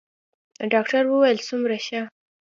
ډاکتر وويل څومره ښه.